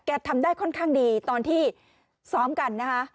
ทำได้ค่อนข้างดีตอนที่ซ้อมกันนะคะ